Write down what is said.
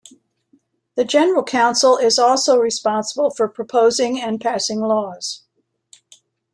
The General Council is also responsible for proposing and passing laws.